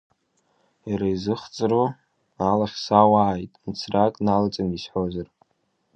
Иара изыхҵыру алахь сауааит мцрак налаҵаны исҳәозар.